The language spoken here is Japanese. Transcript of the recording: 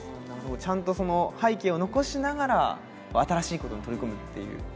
ちゃんと背景を残しながら新しいことに取り組むっていう。